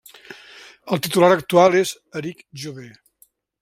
El titular actual és Eric Jover.